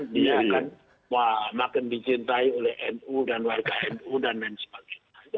dia akan makin dicintai oleh nu dan warga nu dan lain sebagainya